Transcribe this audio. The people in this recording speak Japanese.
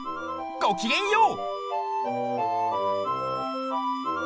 ごきげんよう！